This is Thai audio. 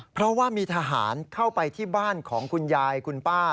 เพราะว่ามีทหารเข้าไปที่บ้านของคุณยายคุณป้า